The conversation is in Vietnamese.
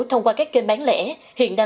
thông qua các kênh bán lẻ